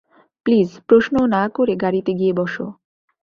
Please প্রশ্ন না করে গাড়িতে গিয়ে বসো।